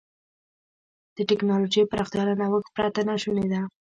د ټکنالوجۍ پراختیا له نوښت پرته ناشونې ده.